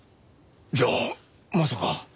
じゃあまさか。